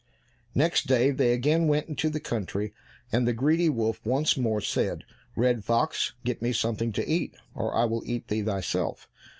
Next day they again went into the country, and the greedy wolf once more said, "Red fox, get me something to eat, or I will eat thee thyself."